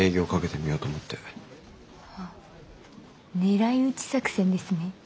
あ狙い撃ち作戦ですね。